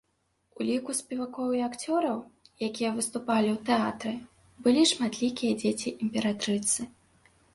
У ліку спевакоў і акцёраў, якія выступалі ў тэатры, былі шматлікія дзеці імператрыцы.